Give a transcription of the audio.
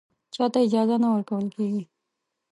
چا ته اجازه نه ورکول کېږي